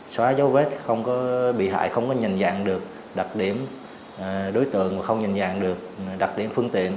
xóa dấu vết không bị hại không nhìn dạng được đặc điểm đối tượng không nhìn dạng được đặc điểm phương tiện